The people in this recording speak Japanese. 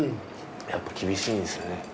やっぱ厳しいんですね